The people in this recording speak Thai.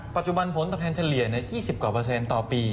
ผลตอบแทนเฉลี่ย๒๐กว่าเปอร์เซ็นต์ต่อปี